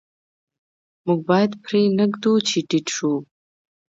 موږ باید پرې نه ږدو چې ټیټ شو.